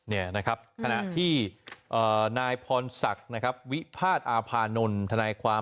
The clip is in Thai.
นี่นะครับขณะที่นายพรศักดิ์นะครับวิพาทอาพานนท์ทนายความ